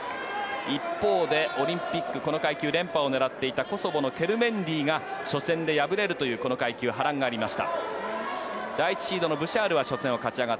一方でオリンピックの階級でピメンタにコソボのケルメンディが初戦で敗れるというこの階級波乱がありました。